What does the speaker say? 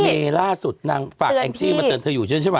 ล่าสุดนางฝากแองจี้มาเตือนเธออยู่ใช่ไหม